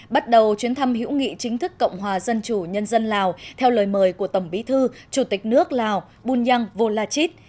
bắt đầu chuyến thăm hữu nghị chính thức cộng hòa dân chủ nhân dân lào theo lời mời của tổng bí thư chủ tịch nước lào bunyang volachit